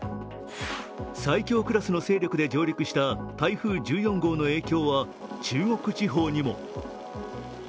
最強クラスの勢力で上陸した台風１４号の影響は中国地方にも。